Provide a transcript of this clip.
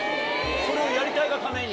それをやりたいがために？